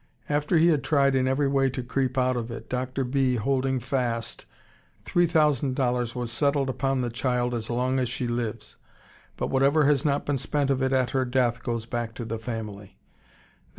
After he had tried in every way to creep out of it, Dr. B. holding fast, $3000.00 was settled upon the child as long as she lives, but whatever has not been spent of it at her death goes back to the family.